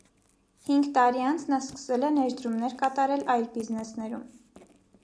Հինգ տարի անց նա սկսել է ներդրումներ կատարել այլ բիզնեսներում։